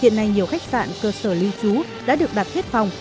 hiện nay nhiều khách sạn cơ sở lưu trú đã được đặt thiết phòng